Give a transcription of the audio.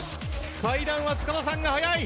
階段は塚田さんが速い。